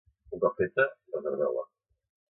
Un cop feta, reserveu-la